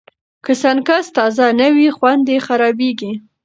که سنکس تازه نه وي، خوند یې خرابېږي.